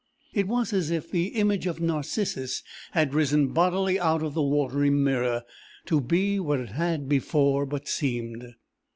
It was as if the image of Narcissus had risen bodily out of the watery mirror, to be what it had before but seemed.